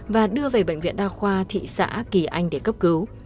và đưa về bệnh viện đa khoa thị xã kỳ anh để cấp cứu